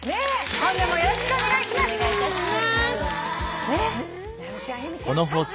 本年もよろしくお願いします。